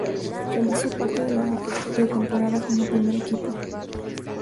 Realizó parte de la pretemporada con el primer equipo.